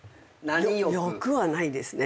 欲はないですね。